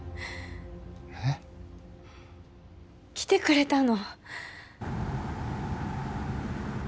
えっ？来てくれたの？